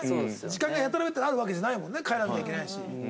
時間がやたらめったらあるわけじゃないもんね帰らなきゃいけないし。